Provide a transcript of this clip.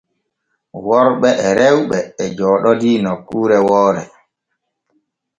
Worɓe e rewɓe e jooɗodii nokkure woore.